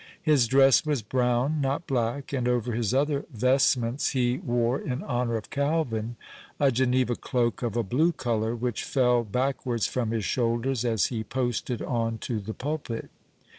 His dress was brown, not black, and over his other vestments he wore, in honour of Calvin, a Geneva cloak of a blue colour, which fell backwards from his shoulders as he posted on to the pulpit.